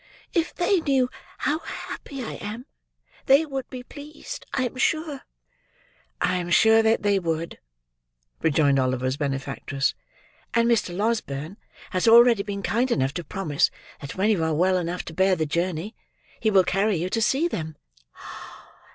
"If they knew how happy I am, they would be pleased, I am sure." "I am sure they would," rejoined Oliver's benefactress; "and Mr. Losberne has already been kind enough to promise that when you are well enough to bear the journey, he will carry you to see them."